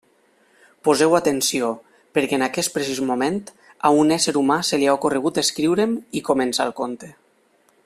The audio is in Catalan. Poseu atenció, perquè en aquest precís moment, a un ésser humà se li ha ocorregut escriure'm i comença el conte.